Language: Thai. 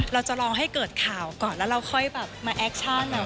เราจะลองให้เกิดข่าวก่อนแล้วเราค่อยแบบมาแอคชั่น